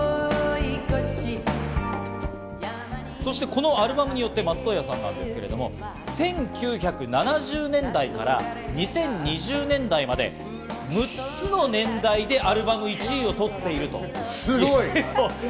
このアルバムによって松任谷さんですが、１９７０年代から２０２０年代まで６つの年代でアルバム１位を取っているということです。